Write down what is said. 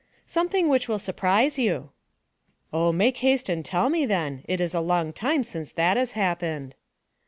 "Something which will surprise you." "Oh, make haste and tell me, then; it is a long time since that has happened."